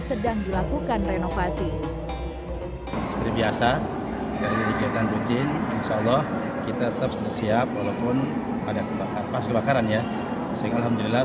sedang dilakukan renovasi biasa kita tetap siap walaupun ada kebakaran ya sehingga alhamdulillah